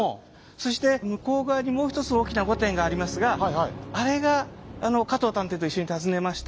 そして向こう側にもう一つ大きな御殿がありますがあれが加藤探偵と一緒に訪ねました